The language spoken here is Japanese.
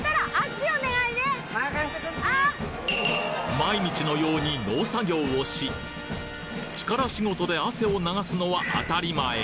・毎日のように農作業をし力仕事で汗を流すのは当たり前。